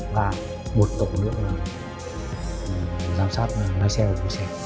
và một tổng lượng là giám sát ngay xe của xe